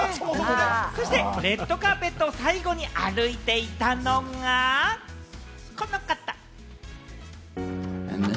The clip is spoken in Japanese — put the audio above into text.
そしてレッドカーペットを最後に歩いていたのが、この方。